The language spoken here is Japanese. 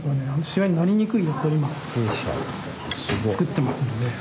しわになりにくいやつを今作ってますので。